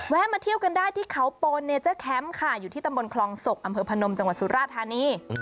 มาเที่ยวกันได้ที่เขาโปนเนเจอร์แคมป์ค่ะอยู่ที่ตำบลคลองศกอำเภอพนมจังหวัดสุราธานี